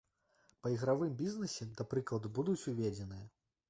Па ігравым бізнесе, да прыкладу, будуць уведзеныя.